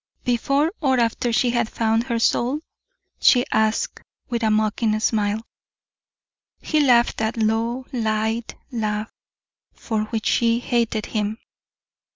"Before or after she had found her soul?" she asked, with a mocking smile. He laughed that low, light laugh for which she hated him.